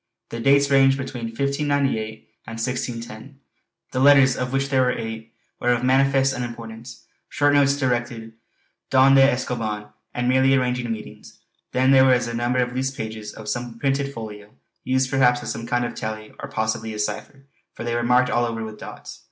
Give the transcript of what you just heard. The dates ranged between 1598 and 1610. The letters, of which there were eight, were of manifest unimportance, short notes directed: "Don de Escoban" and merely arranging meetings. Then there were a number of loose pages of some printed folio, used perhaps as some kind of tally or possibly a cipher, for they were marked all over with dots.